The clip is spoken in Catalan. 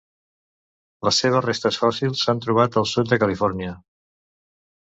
Les seves restes fòssils s'han trobat al sud de Califòrnia.